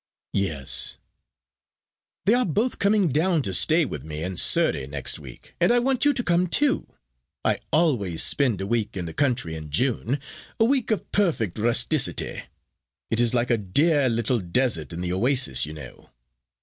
"Yes." "They are both coming down to stay with me in Surrey next week, and I want you to come too. I always spend a week in the country in June, a week of perfect rusticity. It is like a dear little desert in the oasis, you know.